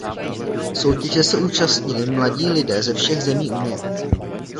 Soutěže se účastnili mladí lidé ze všech zemí Unie.